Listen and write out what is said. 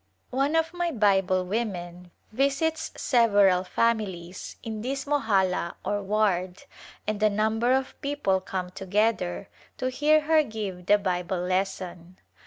One of my Bible women visits several families in this mohalla or ward and a number of people come to gether to hear her give the Bible lesson.